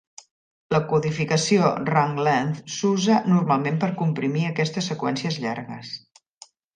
La codificació Run-length s'usa normalment per comprimir aquestes seqüències llargues.